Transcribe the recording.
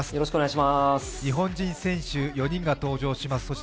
日本人選手４人が登場します。